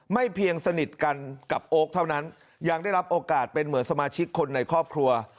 ไม่เพียงสนิทกันกับโอ๊คเท่านั้นยังได้รับโอกาสเป็นเหมือนสมาชิกคนในครอบครัว